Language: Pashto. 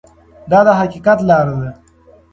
دا د حقیقت لاره ده.